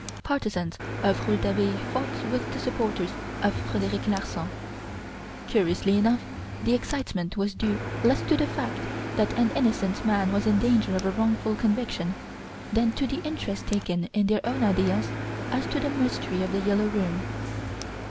Partisans of Rouletabille fought with the supporters of Frederic Larsan. Curiously enough the excitement was due less to the fact that an innocent man was in danger of a wrongful conviction than to the interest taken in their own ideas as to the Mystery of "The Yellow Room".